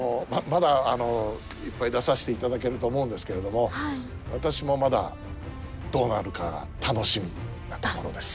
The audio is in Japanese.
まだいっぱい出させていただけると思うんですけれども私もまだどうなるか楽しみなところです。